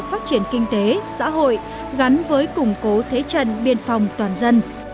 phát triển kinh tế xã hội gắn với củng cố thế trận biên phòng toàn dân